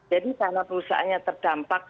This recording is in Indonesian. jadi karena perusahaannya terdampak